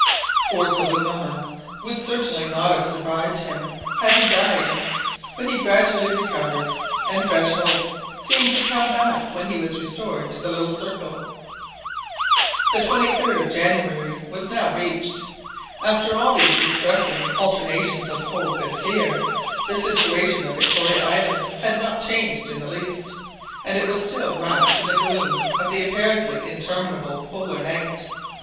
Poor Kalumah would certainly not have survived him had he died, but he gradually recovered, and fresh hope seemed to come back when he was restored to the little circle. The 23d of January was now reached, after all these distressing alternations of hope and fear. The situation of Victoria Island had not changed in the least, and it was still wrapped in the gloom of the apparently interminable Polar night.